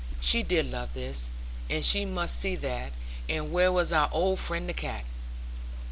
She did love this, and she must see that, and where was our old friend the cat?